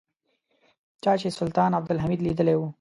چا چې سلطان عبدالحمید لیدلی و.